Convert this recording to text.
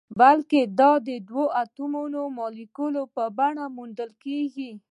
بلکې د دوه اتومي مالیکول په بڼه موندل کیږي.